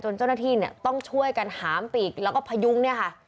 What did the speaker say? เจ้าหน้าที่เนี่ยต้องช่วยกันหามปีกแล้วก็พยุงเนี่ยค่ะ